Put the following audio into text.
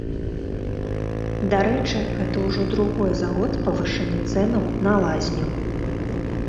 Дарэчы, гэта ўжо другое за год павышэнне цэнаў на лазню.